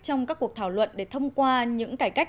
trong các cuộc thảo luận để thông qua những cải cách